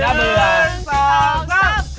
เชี่ยบ